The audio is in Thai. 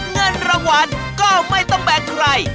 เงินรางวัลก็ไม่ต้องแบกใคร